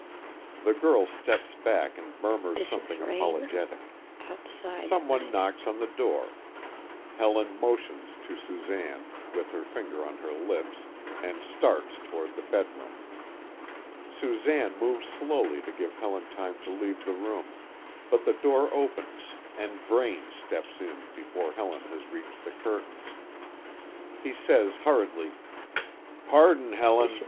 The girl steps back and murmurs something apologetic. Some one knocks on the door. Helen motions to Susanne, with her finger on her lips, and starts towards the bedroom. Susanne moves slowly to give Helen time to leave the room; but the door opens and Braine steps in before Helen has reached the curtains. He says hurriedly: "Pardon, Helen!